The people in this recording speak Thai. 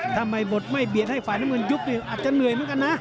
ทำไมบทไม่เบียดให้ฝ่ายน้ำเงินยุบอาจจะเหนื่อยเหมือนกันนะ